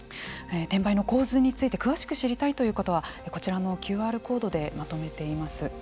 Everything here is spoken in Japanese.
転売の構図について詳しく知りたいという方はこちらのＱＲコードでまとめています。